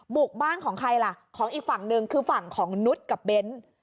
บุกบ้านของใครล่ะของอีกฝั่งหนึ่งคือฝั่งของนุษย์กับเบ้น